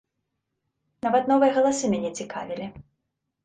Нават новыя галасы мяне цікавілі.